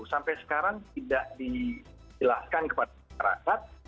sampai sekarang tidak dijelaskan kepada masyarakat